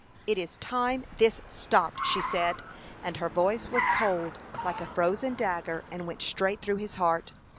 "It is time this stopped!" she said, and her voice was cold like a frozen dagger and went straight through his heart.